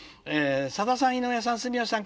「さださん井上さん住吉さん小針画伯